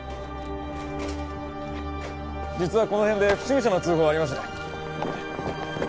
・実はこの辺で不審者の通報がありまして。